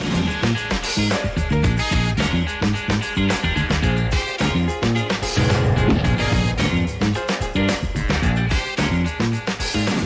อาจารย์